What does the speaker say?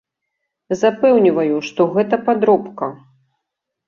Запэўніваю, што гэта падробка.